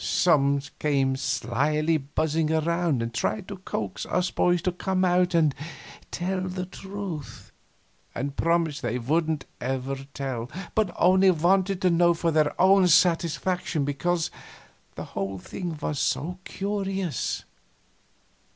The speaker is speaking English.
Some came slyly buzzing around and tried to coax us boys to come out and "tell the truth"; and promised they wouldn't ever tell, but only wanted to know for their own satisfaction, because the whole thing was so curious.